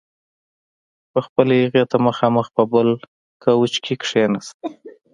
په خپله هغې ته مخامخ په بل کاوچ کې کښېناست.